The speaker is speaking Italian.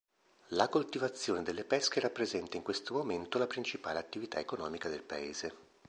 La coltivazione delle pesche rappresenta in questo momento la principale attività economica del paese.